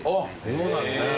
そうなんすね。